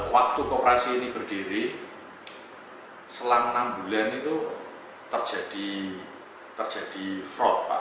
waktu kooperasi ini berdiri selang enam bulan itu terjadi fraud pak